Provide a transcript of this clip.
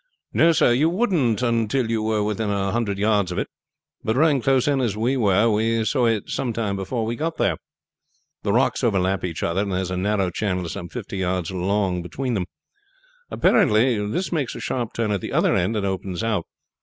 "No, sir; you wouldn't until you were within a hundred yards of it. But rowing close in as we were we saw it some time before we got there. The rocks overlap each other, and there is a narrow channel some fifty yards long between them. Apparently this makes a sharp turn at the other end and opens out.